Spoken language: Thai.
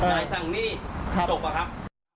นายสั่งหนี้จบอะครับ